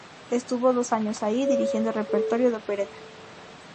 Estuvo dos años allí, dirigiendo repertorio de opereta.